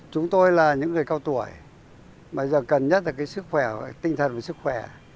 chúng tôi là những người cao tuổi mà giờ cần nhất là tinh thần và sức khỏe